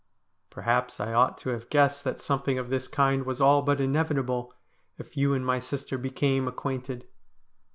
' Perhaps I ought to have guessed that something of this kind was all but inevitable, if you and my sister became acquainted.